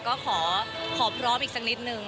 ก็ขอพร้อมอีกสักนิดนึง